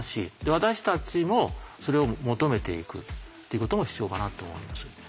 私たちもそれを求めていくっていうことも必要かなと思います。